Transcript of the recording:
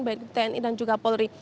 baik tni dan juga polri